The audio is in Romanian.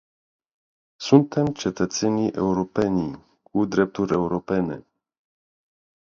Suntem cetățeni europeni cu drepturi europene.